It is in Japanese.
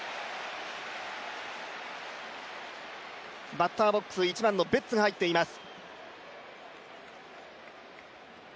バッターボックス、１番のベッツが入っています。